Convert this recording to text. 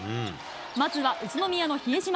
まずは宇都宮の比江島。